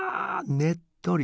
ねっとり。